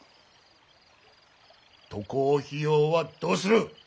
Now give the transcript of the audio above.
渡航費用はどうする。